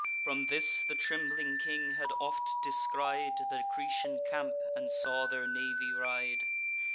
From this the trembling king had oft descried The Grecian camp, and saw their navy ride.